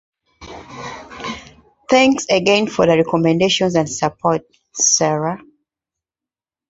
Thanks again for the recommendations and support, Sarah.